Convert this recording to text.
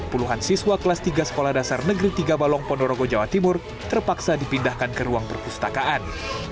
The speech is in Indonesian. puluhan siswa kelas tiga sekolah dasar negeri tiga balong ponorogo jawa timur terpaksa dipindahkan ke ruang perpustakaan